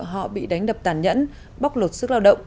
họ bị đánh đập tàn nhẫn bóc lột sức lao động